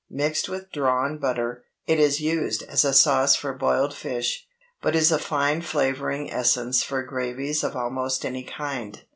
Mixed with drawn butter, it is used as a sauce for boiled fish, but is a fine flavoring essence for gravies of almost any kind.